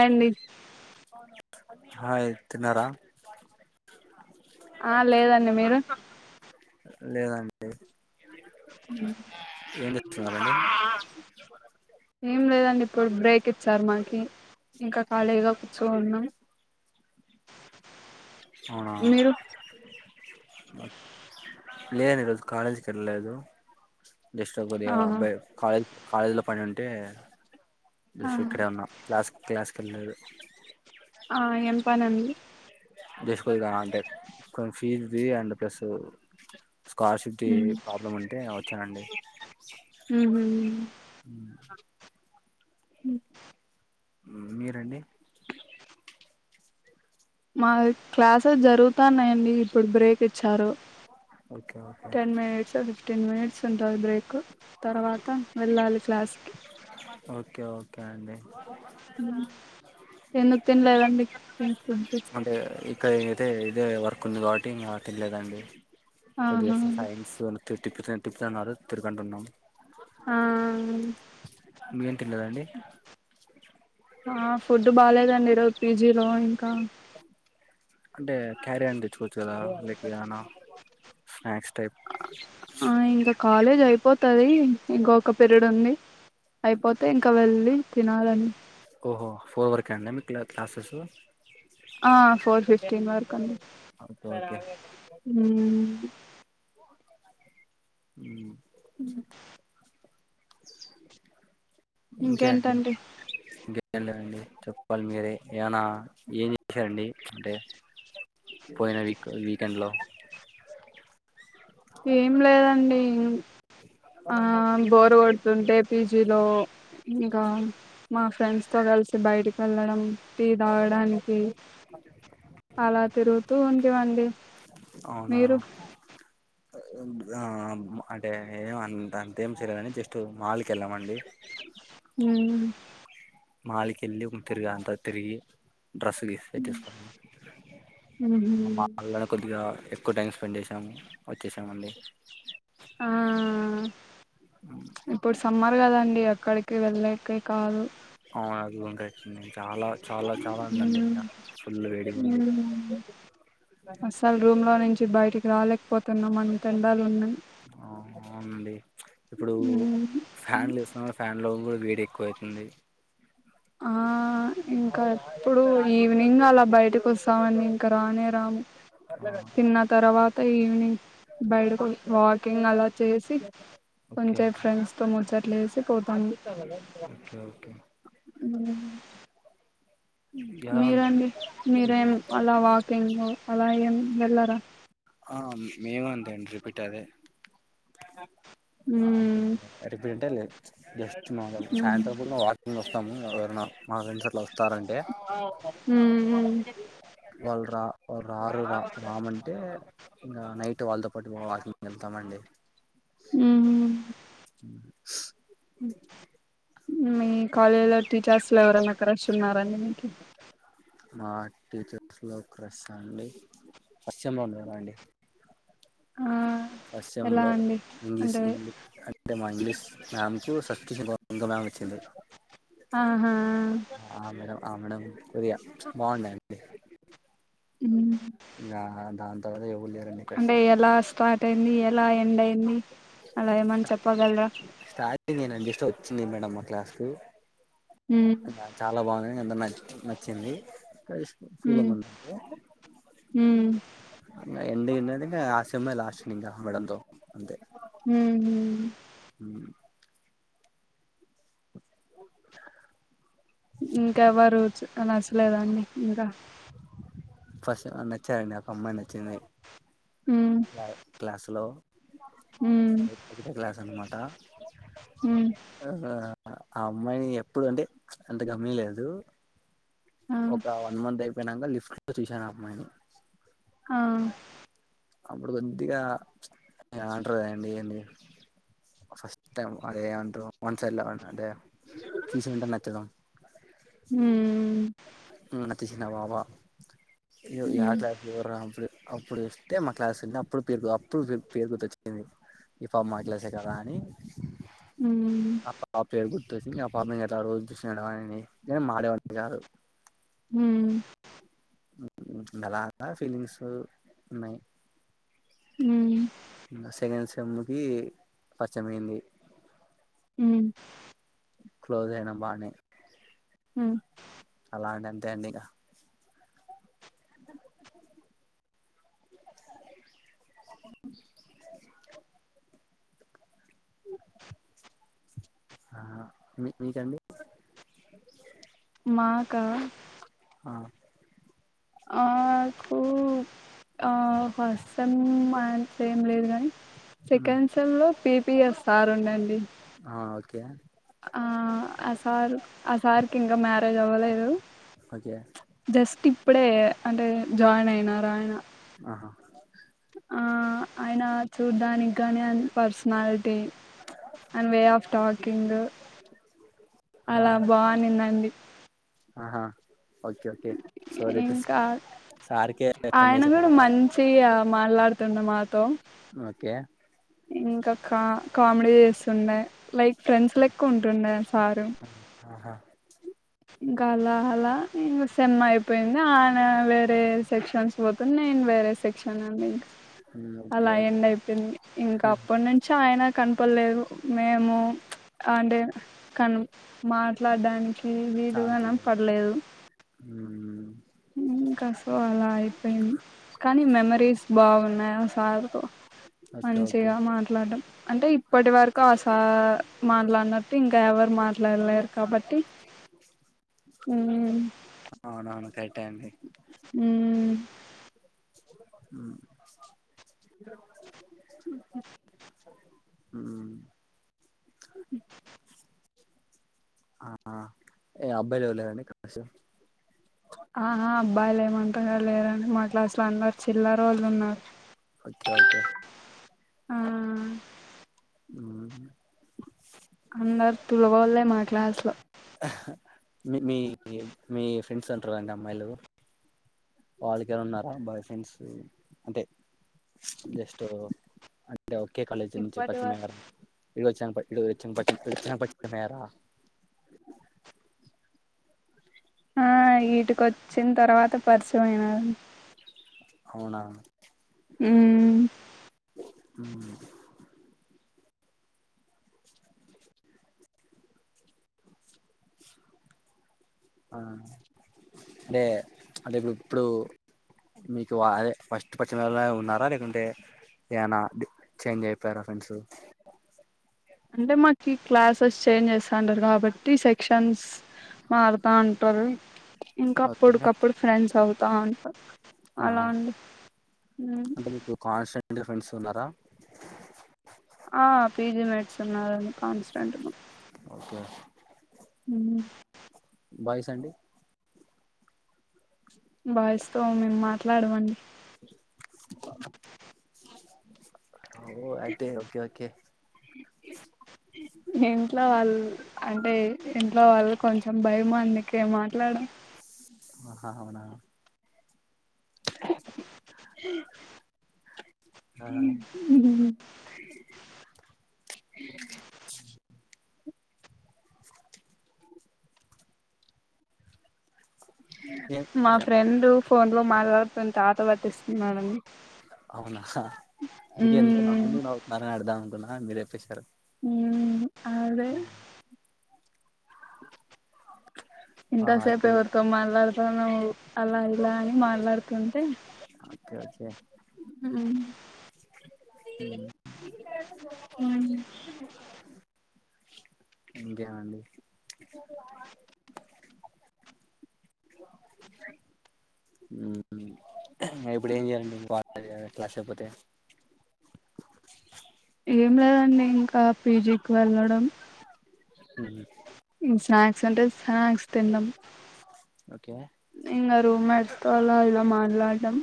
AD hi తిన్నారా ఆ లేదండి మీరు లేదండి ఉమ్ ఏం చేస్తున్నారండి ఏం లేదండి ఇప్పుడు బ్రేక్ ఇచ్చారు మాకి ఇంకా ఖాళీగా కూర్చోన్నాం అవునా మీరు లేదు ఈ రోజు కాలేజ్కి వెళ్ళలేదు దక్షిణకొరియా ఆహా అబ్బాయి కాలేజ్ కాలేజీ లో పని ఉంటే జస్టు ఇక్కడే ఉన్నాం క్లాస్ క్లాస్ ఆ ఎంపనండి జస్ట్ కొద్దిగా రా అంటే కొం ఫీజ్ది అండ్ ప్లస్ స్కాలర్షిప్కి ప్రాబ్లం అంటే వచ్చానండి ఉ మీరండి మా క్లాసెస్ జరుగుతాన్నాయండి ఇప్పుడు బ్రేక్ ఇచ్చారు ఓకే ఓకే టెన్ మనిట్స్ ఒ ఫిఫ్టీన్ మనిట్స్ టాది బ్రేక్ తర్వాత వెళ్ళాలి క్లాస్ కి ఓకే ఓకే అండి ఎందుకు తినలేదండి ఫుడ్ అంటే ఇక్క అయితే ఇదే వర్ కొన్ని ధాటి అకెలేదండి కొద్దిగా ఆహా సైన్స్ త టిప్పు టిప్పుతున్నారు తిరుగంటున్నాము ఆ మీరు తిన్నారండి ఆ ఫుడ్ బాలేదండి ఈ రోజు పీజీలో ఇంకా అంటే క్యారీ అన తెచ్చుకోవచ్చు కదా లైక్ ఏదనా స్నాక్స్ టైప్ అ ఇంగ కాలే పోతది ఇంకొక పీరియడ్ ఉంది అయిపోతే ఇంకా వెళ్ళి తినాలని ఓహో ఫోర్ వర్క అండి మీ క్లాసెస్ ఆ ఫోర్ ఫిఫ్టీన్ వరకు అండి ఓకే ఓకే ఉ ఉ ఉ ఇంకేంటండి ఎం లేదండి చెప్పాలి మీరే ఏమనా ఏం చేశారండి అంటే పోయిన వీక్ వీకెండ్లో ఏం లేదండి ఆ బోర్గో తుంటే పీజీలో ఇంకా మా ఫ్రెండ్స్ తో కలిసి బయటికి వెళ్ళడం టీ తాగడానికి అలా తిరుగుతూ ఉండేవండి అవునా ఆ అంటే ఏమ్ అంతేం చేయలేదండి కానీ జస్ట్ మాల్ కి వెళ్ళామండి మ్మ్. మాలిక వెళ్ళి ఒక తిరిగా అంత తిరిగి డ్రెస్సు [unintelligible] మ్హూ. కొన్నా మాళనే కొద్దిగా ఎక్కువ టైం స్పెండ్ చేసాము వచ్చేసామ అండి ఆ ఇప్పుడు సమ్మర్ కదండి ఎక్కడికి వెళ్ళకే కాదు అవును అది [unintelligible] చాలా చాలా చాలా ఉందండి మ్మ్. ఇంగా పుల్లు వేడి ఉంది మ్మ్. అస్సలు రూమ్ లో నుంచి బయటికి రాలేకపోతున్నాం అంత ఎండలు ఉన్నాయి అవును అండి ఇప్పుడు ఫ్యాన్లు యేసినా కూడా ఫ్యాన్ లో కూడా వేడి ఎక్కువ అయితుంది ఆ ఆ ఇంకా ఎప్పుడు ఈవినింగ్ అలా బయటకి వస్తామండీ ఇంక రానే రాము ఆ తిన్న తర్వాత ఈవెనింగ్ బయటకు వాకింగ్ అలా చేసి ఓకే కొంచెప్ ఫ్రెండ్స్ తో ముచ్చట్లేసి పోతాం ఓకే ఓకే హ్మ్ ఎలా ఉంది మీరండి మీరేం అలా వాకింగ్ అలా ఏం వెళ్లరా ఆ మేము అంతేండి రిపీట్ అదే ఉమ్ ఆ రేబింటెల్ జస్ట్ ఉమ్ సాయంత్రంపుట వాకింగ్ వస్తాము ఎవరైనా మా ఫ్రెంస్ అట్లా వస్ ఉమ్మ్ వల్రా రారు రా రామంటే ఇంగా నైట్ వాళ్ళతో పాటు వాకింగ్ కెళ్తామండి ఉమ్ మీ కాలేజ్లా టీచర్స్ లో ఎవరన్న క్రష్ ఉన్నారండి మీకి ఆ టీచర్స్ లో క్రష్ ఆండీ కష్టంగాఉండదండి ఆ ఎలా యేసేములో అండి ఇంగ్లీష్ అంటే హిందీ అంటే మా ఇంగ్లీష్ మ్యామ్సూ సజెసషన్ ఆహా ఆ మేడం ఆ మేడం కొద్దిగా బాగుండేండి ఉమ్ గా దాంత్ అంటే ఎలా స్టార్టయింది ఎలా ఎండైంది అలాఎమానా చెప్పగలరా స్టార్టింగ్ నేను వచ్చింది మేడం మా క్లాస్ కు ఉమ్ చాలా బాగుంది అంటే నాకు నచ్చింది క్రష్ ఉమ్ ఫీలింగుంటది ఉమ్ ఎండి ఏదంటే ఆ సెమే లాస్ట్ ఇంకా మేడంతో అంతే హ్మ్మ్ ఇంకెవరు చ్ నచ్చలేదండి ఇంకా ఫస్ట్ నచ్చారండి ఒక అమ్మాయి నచ్చింది ఉమ్ క్లాసులో ఉమ్ ఒకటే క్లాస్ అన్నమాట ఉమ్ ఆ ఆ అమ్మాయిని ఎప్పుడంటే అంత గమనియలేదు ఆ ఒక వన్ మంత్ అయిపోయినంక లిఫ్ట్ లో చూసాను ఆ అమ్మాయిని ఆ అపుడు కొద్దిగా ఏమంటారో యండి అండి ఫస్ట్ టైమ్ అదే ఏమంట్రో వన్ సైడ్ లవంటే అంటే చూసినావెంటనే నచ్చడం ఉమ్ ఉ తీసిన వావా ఉమ్ యాక్లాస్ ఎవరానప్పుడు అప్పుడు టే మా క్లాస్ల్నే అప్పుడు పెరుగు అప్పుడు పేరు గుర్తొచ్చింది ఈ పాప మా క్లాసే కదాని ఉమ్ ఆ పాప పేరు గుర్తొచ్చింది ఆ పాపను ఎక్కడో చూసానా అని నేను మాట్లాడేవాడిని కాదు హుమ్ మెలాగా ఫీలింగ్స్ ఉన్నాయి హుమ్ నా సెకండ్ సేమ్ కీ పార్చేమైంది ఉమ్ క్లోజ్ అయినం బానే హ్మ్మ్ అలా అంటే అంతే అండిగా ఆహా మీ మీ ఫ్యామిలి మాకా ఆ ఆ కూ ఆ ఫస్ట్సెమ్ మా ఇంట్లో ఏం లేదు గాని మ్మ్ సేకండ్ సెమ్ లో పిపిఎస్ ఆర్ ఉండండి ఆ ఓకే ఆ అసార్ అసార్కి ఇంకా మ్యారేజ్ అవ్వలేదు ఓకే జస్ట్ ఇప్పుడే అంటే జాయిన్ అయినారా ఆయన ఆహా ఆ ఆయన చూడ్డానికి కాని ఆయన personality and way of talking ఆహా అలా బాగుండిందండి. ఆహా ఓకే ఓకే సోరటిస్ ఇంకా ఆయన కూడా మంచిగ మాట్లాడుతుండు మాక్ ఓకే ఇంకా కా కామెడీ చేస్తుండె లైక్ ఫ్రెండ్స్ లెక్క ఉంటుండె సారు ఆహా ఇంక అలా అలా ఇంకా సేమ్ అయిపోయింది ఆయన వేరే సెక్షన్స్ పోతుంది నేను వేరే సెక్షన్ అండి ఇంక మ్మ్ ఓకే అలా ఓకే ఎండ్ అయిపోయింది ఇంకా అప్పటి నుంచి ఆయన కనపడలేదు మేము చుప్ అంటె కన్ మాట్లాడడానికి వీడుగానం పడలేదు ఉహూ ఇంకా సో అలా అయిపోయింది కానీ మెమరీస్ బాగున్నాయి ఆ సార్తో ఓకే ఓకే మంచిగా మాట్లాడడం అంటె ఇప్పటి వరకు ఆ సార్ మాట్లాడినట్టు ఇంకా ఎవరు మాట్లాడలేరు కాబట్టి హుమ్మ్ అవునవును కరక్టే అండి ఉమ్ ఉ మ్మ్ ఆ ఏ అబ్బాయిలు ఎవ్వరు లేరండి క్లాస్ ఆహా అబ్బాయిలు ఏమంటాలేరండి మాట్ల క్లాస్ లా అందరు చిల్లరోళ్లు ఉన్నరు. అచ్చ ఓకే ఆ ఊమ్ అందర్ తులవాళ్ళే మా క్లాస్ లో అహ్ మి మీ మీ ఫ్రెండ్స్ అంటరా ఇంగ అమ్మాయిలు వాళ్ళకి ఏం అన్న ఉన్నారా? బాయ్ ఫ్రెండ్స్ అంటే జస్ట్ ఒక్కే కాలేజ్ నుంచి ఇప్పటి పరిచయం వరకు అయ్యారా వెళ్ళి వచ్చాం పై వెళ్లి వచ్చామ్ పరిచం వచ్చినంక పరిచయం అయ్యార [unintelligible] ఆ ఈడికి వచ్చిన తర్వాత పరిచయం అయినారు అవునా మ్మ్ ఊమ్ ఆ లె అంటె ఇప్పుడు మీకు అదే ఫస్ట్ పరిచయమైనలే ఉన్నారా లేకుంటే ఏనా డె చేంజ్ అయిపోయారా ఫ్రెండ్స్ అంటె మాకి క్లాసెస్ చేంజ్ చేస్తా అంటరు కాబట్టి సెక్షన్స్ మార్తా అంట్ ఇంక ఓకే అప్పుడుకప్పుడు ఫ్రెండ్స్ అవుతా ఉంటరు [inaudible] ఆహా ఉమ్, అంటె మీకు కాస్ ఉంటె ఫ్రెండ్స్ ఉన్నారా? ఆ పిజి మెట్స్ ఉన్నరు కన్స్టంట్ లో ఓకే ఉమ్ బాయ్స్ అండి బాయ్ స్ తో మేమ్ మాట్లాడవండి ఆ ఓ అయితే ఓకే ఓకే ఇంట్లో వాళ్ అంటే ఇంట్లో వాళ్ళు కొంచమ్ భయమంద్ కే మాట్లాడం ఆహా ఔనా ఆ ఉహ్ హు మా ఏ ఫ్రెండు ఫోన్ లో మాట్ లాడుతున్ తాత వతిర్ స్తున్నాడండ్ ఔన్ ఆ హ్ అందుకే ఎందుకన్ ఉమ్ ఎందుకు నవ్వుతున్ రని అడుదాం అన్ కున్నా మీరే ఎపెశారు ఉమ్ ఆ దే ఆ ఇంతసేప్ ఇప్పుడు ఎవర్ తో మాట్ లాడుతున్నావ్ అలా ఇలా అని మాట్లాడుతుంటే ఓకే ఓచ్చే ఇంకేవండి ఉహుమ్ ఇపుడు ఏం చేయాలండి పర్ట్ టై జేయాలా క్లాస్ అయిపోతే ఏం లేదండి ఇంకా పీజిక్ వేళ్ళడం ఉమ్, మ్ స్నాక్ సన్ టెంట్స్ స్యక్ తిన్ డమ్ ఓకే ఇంగ రూమెట్ స్తలా ఇలా మాట్లాడమ్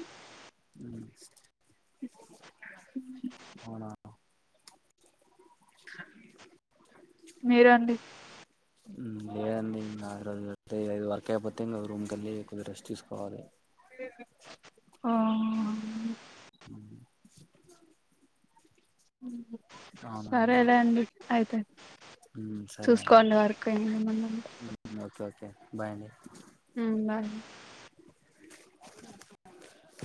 ఔనా మీరండి ఉమ్ లేయండి ఇంగ ర ర్ తయ్ ఐ దో వర్ కయిపోతే ఇంగ రూమ్ కేళ్లి కొద్ రెస్ట్ తీస్ కోవాలి ఆ ఆ హ్మ్ సరే అవునండి లేండి అయిపెంద్ ఉమ్, సరే చూస్ అండి కోండ్ వర్ కు ఏమన్న ఉంటే ఉమ్, ఓకే ఓకే బాయ్ అండి ఉమ్ బాయ్